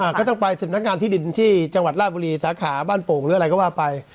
ก็ต้องไปสำนักงานที่ดินที่จังหวัดลาบุรีสาขาบ้านโป่งหรืออะไรก็ว่าไป